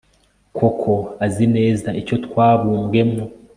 koko azi neza icyo twabumbwemo